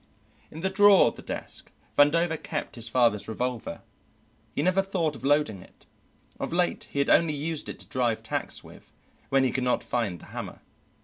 In the drawer of the desk Vandover kept his father's revolver; he never thought of loading it; of late he had only used it to drive tacks with, when he could not find the hammer.